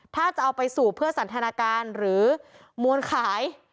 ถ้าจะเอาไปสูบเพื่อสันทนาการหรือมวลขาย